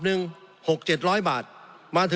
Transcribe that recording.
สงบจนจะตายหมดแล้วครับ